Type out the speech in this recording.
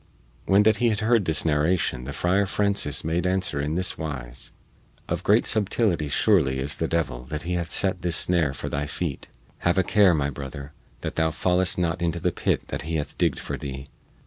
When that he had heard this narration the Friar Francis made answer in this wise: "Of great subtility surely is the devil that he hath set this snare for thy feet. Have a care, my brother, that thou fallest not into the pit which he hath digged for thee!